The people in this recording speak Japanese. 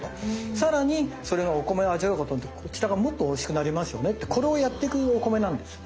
さらにそれがお米を味わうことによってこちらがもっとおいしくなりますよねってこれをやってくお米なんですね。